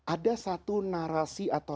ada satu narasi atau